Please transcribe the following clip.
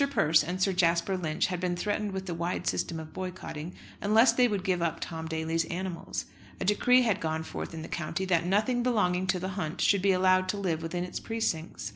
Persse and Sir Jasper Lynch had been threatened with a wide system of boycotting, unless they would give up Tom Daly's animals. A decree had gone forth in the county, that nothing belonging to the hunt should be allowed to live within its precincts.